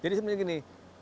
jadi sebenarnya gini